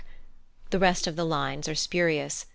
The rest of the lines are spurious.